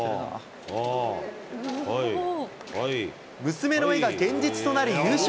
娘の絵が現実となり、優勝。